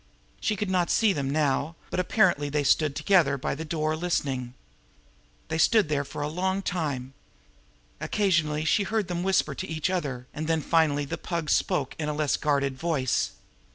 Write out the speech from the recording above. She could not see them now, but apparently they stood together by the door listening. They stood there for a long time. Occasionally she heard them whisper to each other; and then finally the Pug spoke in a less guarded voice.